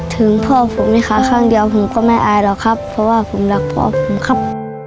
ถึงพ่อผมมีขาข้างเดียวผมก็ไม่อายหรอกครับเพราะว่าผมรักพ่อผมครับ